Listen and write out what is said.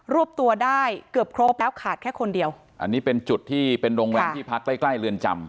วบตัวได้เกือบครบแล้วขาดแค่คนเดียวอันนี้เป็นจุดที่เป็นโรงแรมที่พักใกล้ใกล้เรือนจำ